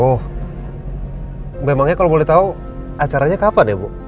oh memangnya kalau boleh tahu acaranya kapan ya bu